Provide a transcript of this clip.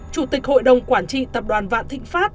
chủ tịch hội đồng quản trị tập đoàn vạn thịnh pháp